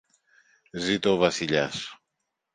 Ζήτω ο Βασιλιάς!